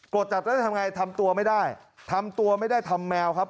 จัดแล้วจะทำไงทำตัวไม่ได้ทำตัวไม่ได้ทำแมวครับ